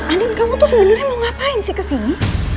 andi kamu tuh sebenernya mau ngapain sih kesini